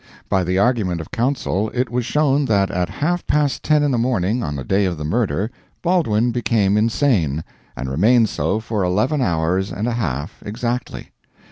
By the argument of counsel it was shown that at half past ten in the morning on the day of the murder, Baldwin became insane, and remained so for eleven hours and a half exactly.